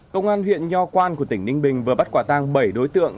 công an huyện nho quan của tỉnh ninh bình vừa bắt quả tang bảy đối tượng